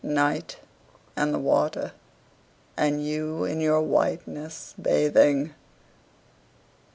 Night, and the water, and you in your whiteness, bathing!